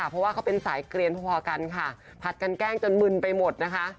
เพราะว่าเขาเป็นสายเกลียนพอกันค่ะผัดกันแกล้งจนมึนไปหมดนะคะ